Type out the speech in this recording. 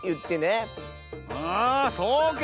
あそうけ。